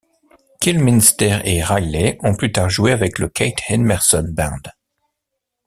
Kilminster et Riley ont plus tard joué avec le Keith Emerson Band.